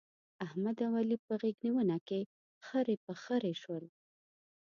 احمد او علي په غېږ نيونه کې خرې پر خرې شول.